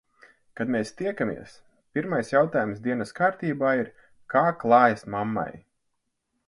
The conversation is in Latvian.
Kad mēs tiekamies, pirmais jautājums dienas kārtībā ir - kā klājas mammai?